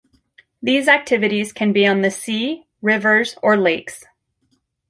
These activities can be on the sea, rivers or lakes.